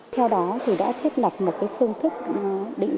theo đó thì đã thiết lập một phương thức địa dịch